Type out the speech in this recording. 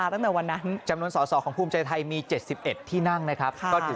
ตั้งแต่หลังจากวันโหวตเรื่องนายกัฎธมนตรี